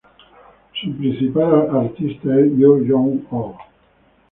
Su principal artista es Yoo Young-ho.